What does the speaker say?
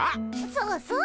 そうそう。